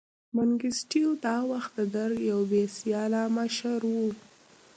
منګیسټیو دا وخت د درګ یو بې سیاله مشر و.